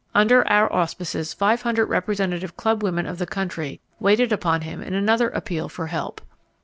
Under our auspices five hundred representative club women of the country waited upon him in another appeal for help.